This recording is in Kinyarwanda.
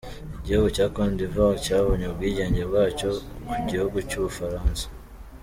Igihugu cya Cote d’ivoire cyabonye ubwigenge bwacyo ku gihugu cy’u Bufaransa.